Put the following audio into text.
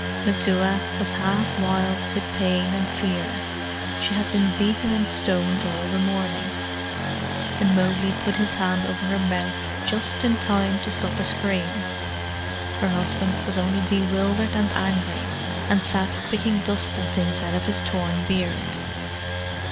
Messua was half wild with pain and fear (she had been beaten and stoned all the morning), and Mowgli put his hand over her mouth just in time to stop a scream. Her husband was only bewildered and angry, and sat picking dust and things out of his torn beard.